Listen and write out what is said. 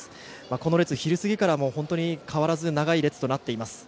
この列、昼過ぎから変わらず長い列となっています。